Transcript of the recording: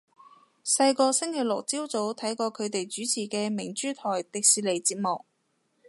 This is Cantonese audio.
細個星期六朝早睇過佢哋主持嘅明珠台迪士尼節目